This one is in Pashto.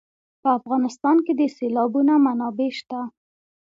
په افغانستان کې د سیلابونه منابع شته.